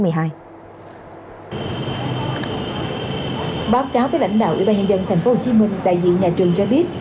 báo cáo với lãnh đạo ủy ban nhân dân tp hcm đại diện nhà trường cho biết